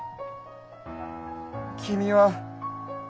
君は。